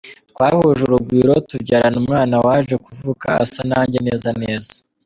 twahuje urugwiro tubyarana umwana waje kuvuka asa nanjye nezaneza.